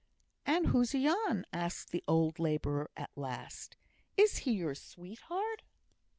"And who's yon?" asked the old labourer at last. "Is he your sweetheart?